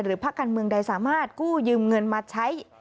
หรือภักดิ์การเมืองใดสามารถกู้ยืมเงินมาใช้